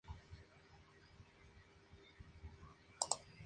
A continuación el cladograma de Fortuny "et al.